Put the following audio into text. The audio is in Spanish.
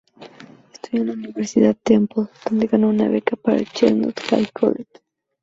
Estudio en la Universidad Temple, donde ganó una beca para el Chestnut Hill College.